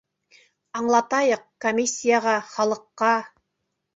Аңлатайыҡ комиссияға, халыҡҡа.